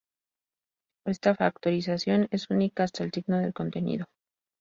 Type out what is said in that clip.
Esta factorización es única hasta el signo del contenido.